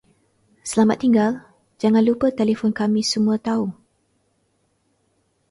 Selamat tinggal jangan lupa telefon kami semua tahu